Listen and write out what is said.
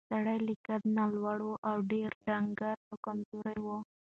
سړی له قد نه لوړ او ډېر ډنګر او کمزوری و.